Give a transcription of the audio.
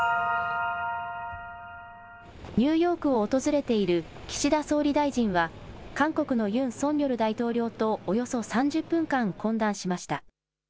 ニューヨークを訪れている岸田総理大臣は韓国のユン・ソンニョル大統領とおよそ３０分間、懇談しました。